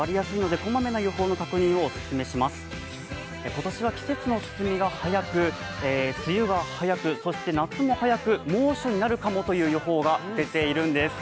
今年は季節の進みが早く、梅雨が早く、そして夏も早く、猛暑になるかもという予報が出ているんです。